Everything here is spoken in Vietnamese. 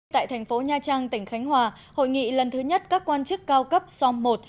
tại thành phố nha trang tỉnh khánh hòa hội nghị lần thứ nhất các quan chức cao cấp som một